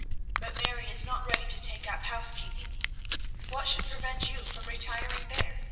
But Mary is not ready to take up housekeeping. What should prevent you from retiring there?